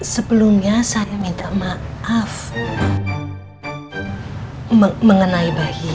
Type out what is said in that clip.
sebelumnya saya minta maaf mengenai bayi